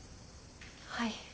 はい。